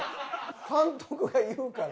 監督が言うから。